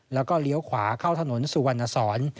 แล้วก็เลี้ยวขวาเข้าถนนสุวรรณสอน